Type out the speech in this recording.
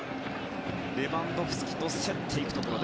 レバンドフスキと競っていくところ。